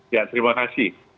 ya terima kasih